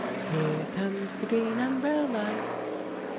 Here comes the green umbrella!